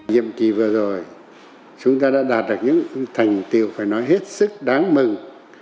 nhiệm kỳ vừa rồi chúng ta đã đạt được những thành tiệu phải nói hết sức đáng mừng